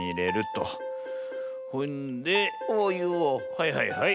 はいはいはい。